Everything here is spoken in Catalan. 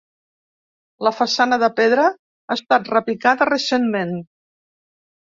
La façana de pedra ha estat repicada recentment.